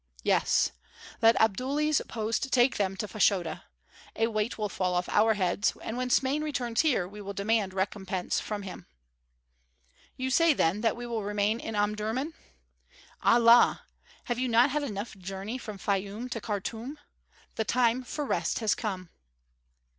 "Yes. Let Abdullahi's post take them to Fashoda. A weight will fall off our heads, and when Smain returns here we will demand recompense from him." "You say then that we will remain in Omdurmân?" "Allah! Have you not had enough in the journey from Fayûm to Khartûm? The time for rest has come."